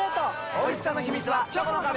おいしさの秘密はチョコの壁！